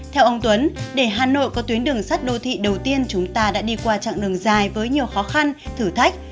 theo ông tuấn để hà nội có tuyến đường sắt đô thị đầu tiên chúng ta đã đi qua chặng đường dài với nhiều khó khăn thử thách